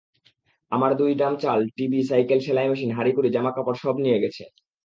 আমার দুই ড্রাম চাল, টিভি, সাইকেল, সেলাই মেশিন, হাঁড়িকুড়ি, জামা-কাপড়—সব নিয়ে গেছে।